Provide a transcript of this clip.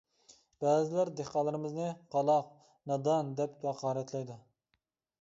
بەزىلەر دېھقانلىرىمىزنى «قالاق، نادان» دەپ ھاقارەتلەيدۇ.